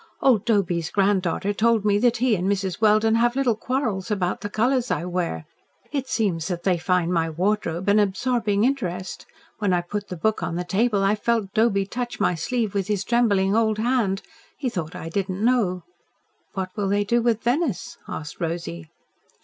"Old Doby's granddaughter told me that he and Mrs. Welden have little quarrels about the colours I wear. It seems that they find my wardrobe an absorbing interest. When I put the book on the table, I felt Doby touch my sleeve with his trembling old hand. He thought I did not know." "What will they do with Venice?" asked Rosy.